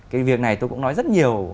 cái việc này tôi cũng nói rất nhiều